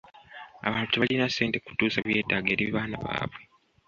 Abantu tebalina ssente kutuusa byetaago eri abaana baabwe.